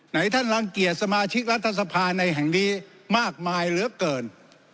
ท่านรังเกียจสมาชิกรัฐสภาในแห่งนี้มากมายเหลือเกิน